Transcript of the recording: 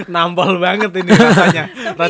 nampol banget ini rasanya